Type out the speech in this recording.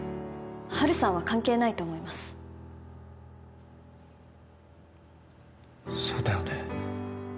ハルさんは関係ないと思いますそうだよね